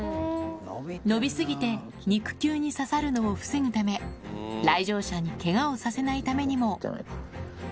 伸び過ぎて肉球に刺さるのを防ぐため、来場者にけがをさせないためにも。